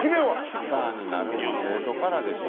スターになるんは生徒からでしょ？